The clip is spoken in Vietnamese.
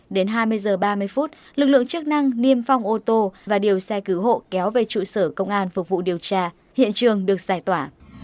đến hai mươi h ba mươi phút lực lượng chức năng niêm phong ô tô và điều xe cứu hộ kéo về trụ sở công an phục vụ điều tra hiện trường được giải tỏa